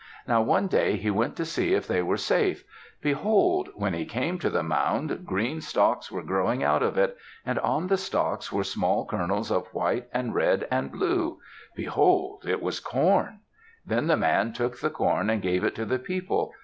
Now one day he went to see if they were safe. Behold! When he came to the mound, green stalks were growing out of it. And on the stalks were small kernels of white, and red, and blue. Behold! It was corn. Then the man took the corn, and gave it to the people.